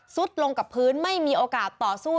ลงกับพื้นไม่มีโอกาสต่อสู้